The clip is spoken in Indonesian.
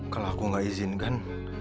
kalau aku gak izinkan